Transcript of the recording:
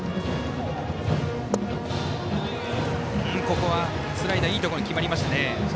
ここはスライダーいいところに決まりましたね。